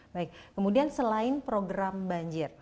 baik kemudian selain program banjir